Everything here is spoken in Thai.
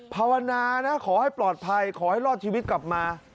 ภาวนานะขอให้ปลอดภัยขอให้รอดชีวิตกลับมา